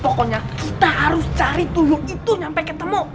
pokoknya kita harus cari tuyul itu nyampe ketemu